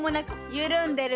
緩んでる？